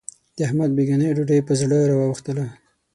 د احمد بېګانۍ ډوډۍ په زړه را وا وښتله.